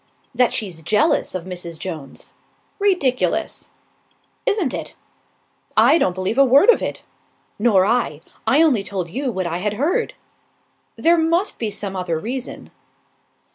"That she's jealous of Mrs. Jones." "Ridiculous!" "Isn't it." "I don't believe a word of it." "Nor I. I only told you what I had heard." "There must be some other reason."